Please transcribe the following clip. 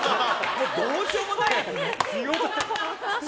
もうどうしようもないね。